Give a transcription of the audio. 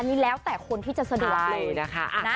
อันนี้แล้วแต่คนที่จะสะดวกเลยนะคะ